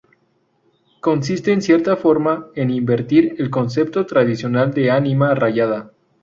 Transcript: Consiste, en cierta forma, en invertir el concepto tradicional de ánima rayada.